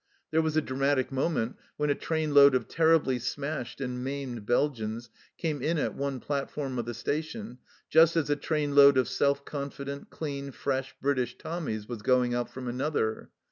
There was a dramatic moment when a trainload of terribly smashed and maimed Belgians came in at one platform of the station, just as a trainload of self confident, clean, fresh British Tommies was going out from another.